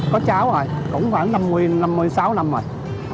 có cháu rồi cũng khoảng năm mươi sáu năm rồi